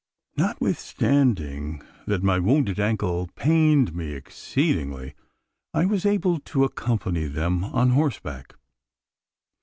Notwithstanding that my wounded ankle pained me exceedingly, I was able to accompany them on horseback.